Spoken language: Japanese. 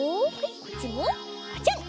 こっちをカチャン。